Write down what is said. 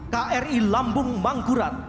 kri lambung manggurat